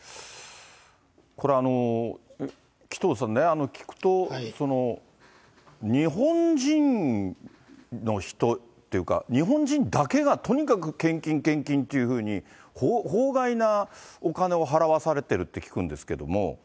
これあの、紀藤さんね、聞くと、日本人の人っていうか、日本人だけがとにかく献金、献金っていうふうに、法外なお金を払わされてるって聞くんですけども。